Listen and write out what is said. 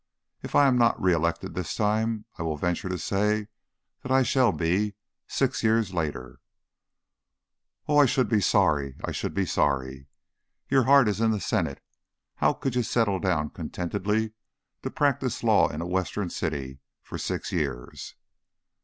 If I am not re elected this time, I will venture to say that I shall be six years later " "Oh, I should be sorry! I should be sorry! Your heart is in the Senate. How could you settle down contentedly to practise law in a Western city for six years?"